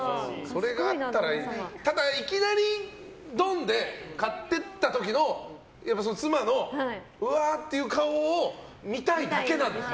ただ、いきなりドンで買ってった時の妻のうわーっていう顔を見たいだけなんです。